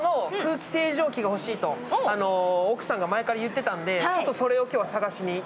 奥さんが前から言ってたんでそれを今日は探しに。